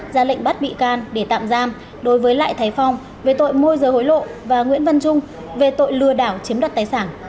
ra lệnh bắt bị can để tạm giam đối với lại thái phong về tội môi rời hối lộ và nguyễn văn trung về tội lừa đảo chiếm đoạt tài sản